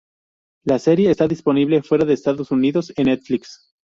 La serie está disponible fuera de Estados Unidos, en Netflix.